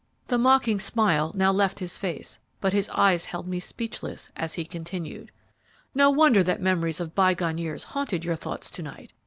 "The mocking smile now left his face, but his eyes held me speechless as he continued, "'No wonder that memories of bygone years haunted your thoughts to night!